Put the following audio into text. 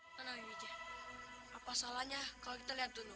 tanahin aja apa salahnya kalau kita lihat dulu